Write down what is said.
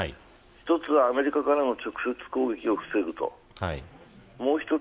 １つはアメリカからの直接攻撃を防ぐということ。